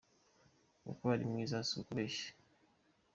Koko uri mwiza si ukubeshya